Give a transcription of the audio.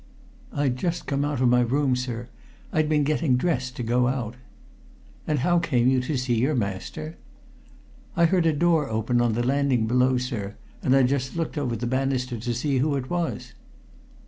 "I'd just come out of my room, sir I'd been getting dressed to go out." "And how came you to see your master?" "I heard a door open on the landing below, sir, and I just looked over the banister to see who it was."